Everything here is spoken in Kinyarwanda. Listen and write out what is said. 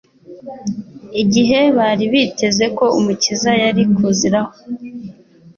igihe bari biteze ko Umukiza yari kuziraho,